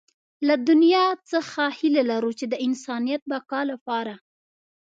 له دنيا څخه هيله لرو چې د انسانيت بقا لپاره.